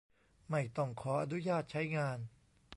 ไม่ต้องขออนุญาตใช้งาน